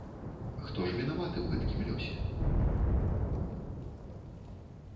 Хто ж вінаваты ў гэткім лёсе?